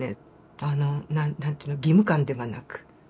あの何て言うの？義務感ではなく。